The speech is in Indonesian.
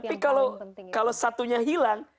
tapi kalau satunya hilang